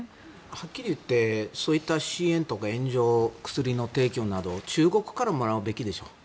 はっきり言ってそういう支援とか援助薬の提供など中国からもらうべきでしょ。